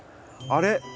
あれ？